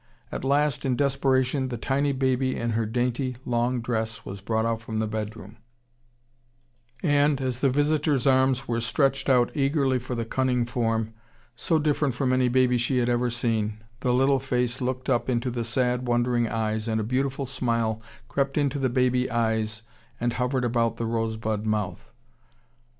At last in desperation the tiny baby in her dainty, long dress was brought out from the bedroom, and, as the visitor's arms were stretched out eagerly for the cunning form, so different from any baby she had ever seen, the little face looked up into the sad, wondering eyes, and a beautiful smile crept into the baby eyes and hovered about the rosebud mouth.